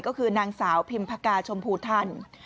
ก็คือนางสาวพิมพกาชมพูทัน